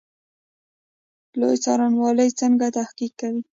لوی څارنوالي څنګه تحقیق کوي؟